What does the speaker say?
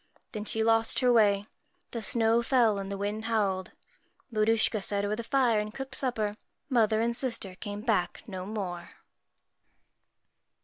Then she lost her way. The snow fell, and the wind howled. Maruschka sat over the fire and cooked supper. Mother and sister came back no more.